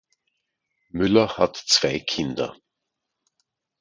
Müller hat zwei Kinder.